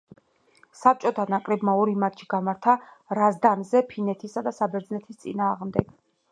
საბჭოთა ნაკრებმა ორი მატჩი გამართა რაზდანზე ფინეთისა და საბერძნეთის წინააღმდეგ.